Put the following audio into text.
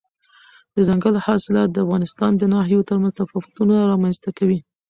دځنګل حاصلات د افغانستان د ناحیو ترمنځ تفاوتونه رامنځته کوي.